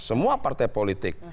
semua partai politik